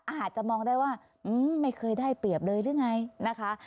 อาจจะมองได้ว่าไม่เคยได้เปรียบเลยหรือไงนะคะ